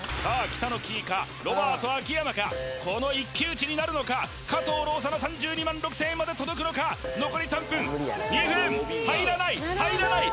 北乃きいかロバート秋山かこの一騎打ちになるのか加藤ローサの３２６０００円まで届くのか残り３分２分入らない入らない